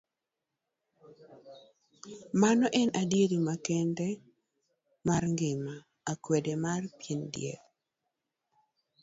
Mano en adiera makende mar ng'ima, akwede mar pien del.